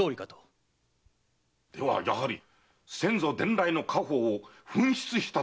ではやはり先祖伝来の家宝を紛失したと？